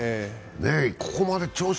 ここまで調子